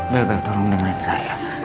bel bel tolong dengerin saya